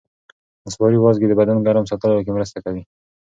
نسواري وازګې د بدن ګرم ساتلو کې مرسته کوي.